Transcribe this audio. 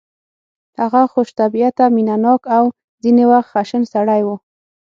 هغه خوش طبیعته مینه ناک او ځینې وخت خشن سړی و